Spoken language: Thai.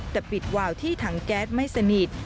แต่ปิดวาวที่ถังแก๊สไม่สนิท